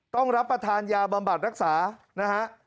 รับประทานยาบำบัดรักษานะฮะ